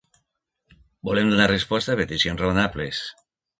Volem donar resposta a peticions raonables.